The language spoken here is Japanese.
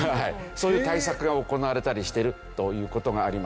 そういう対策が行われたりしてるという事がありますね。